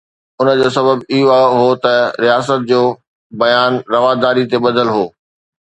ان جو سبب اهو هو ته رياست جو بيان رواداري تي ٻڌل هو.